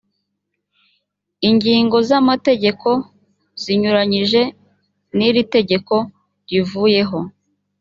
ingingo z’amategeko zinyuranyije n’iri tegeko zivuyeho